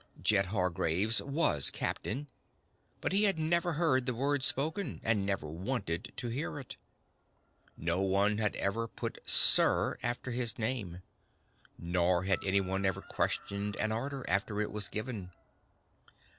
Jed Hargraves was captain, but he had never heard the word spoken, and never wanted to hear it. No one had ever put "sir" after his name. Nor had anyone ever questioned an order, after it was given.